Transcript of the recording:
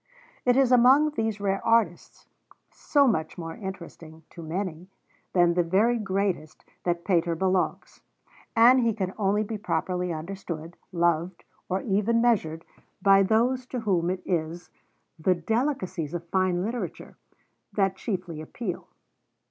It is among these rare artists, so much more interesting, to many, than the very greatest, that Pater belongs; and he can only be properly understood, loved, or even measured by those to whom it is 'the delicacies of fine literature' that chiefly appeal.